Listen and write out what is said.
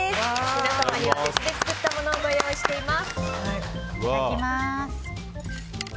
皆様には別で作ったものをご用意しております。